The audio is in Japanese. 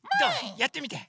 やってみて。